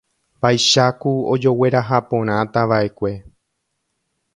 Vaicháku ojoguerahaporãtavaʼekue.